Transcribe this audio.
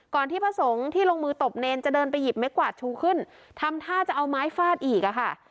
ที่พระสงฆ์ที่ลงมือตบเนรจะเดินไปหยิบไม้กวาดชูขึ้นทำท่าจะเอาไม้ฟาดอีกอะค่ะ